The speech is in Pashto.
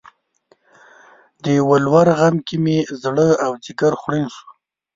د ولور غم کې مې زړه او ځیګر خوړین شو